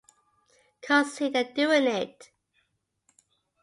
Consider doing it!